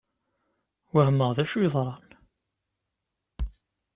Wehmeɣ d acu yeḍran.